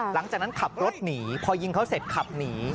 หลังจากนั้นขับรถหนีพอยิงเขาเสร็จขับหนี